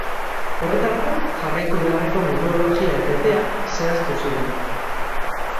Horretarako jarraitu beharreko metodologia eta epeak zehaztu ziren.